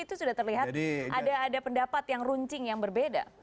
itu sudah terlihat ada pendapat yang runcing yang berbeda